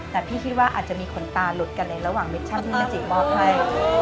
แต่พี่คิดว่าอาจจะมีขนตาหลุดกันในระหว่างมิชชั่นที่แม่จิมอบให้